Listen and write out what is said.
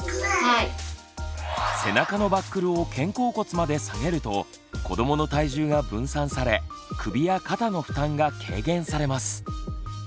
背中のバックルを肩甲骨まで下げると子どもの体重が分散され首や肩の負担が軽減されます。